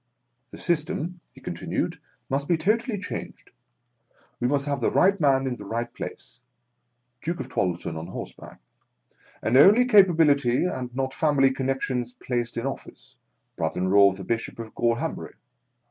" The system," he con tinued, "must be totally changed. We must have the right man in the right place (Duke of Twaddleton on horseback), and only capa bility and not family connexions placed in office (brother in law of the Bishop of Gor hambury).